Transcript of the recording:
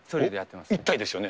一体ですよね。